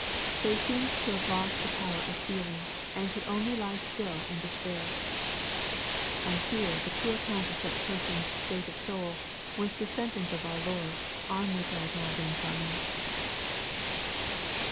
They seemed to have lost the power of feeUng, and could only lie still and despair. I fear the true account of such persons' state of soul was the sentence of our Lord, on which I have now been dwelling.